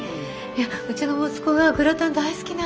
うちの息子がグラタン大好きなんです。